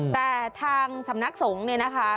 แต่ทางสำนักสงฆ์เนี่ยนะคะ